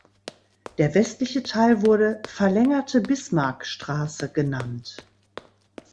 Der westliche Teil wurde "Verlängerte Bismarckstraße" genannt.